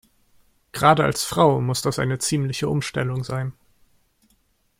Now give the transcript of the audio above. Gerade als Frau muss das eine ziemliche Umstellung sein.